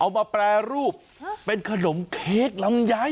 มาแปรรูปเป็นขนมเค้กลำไย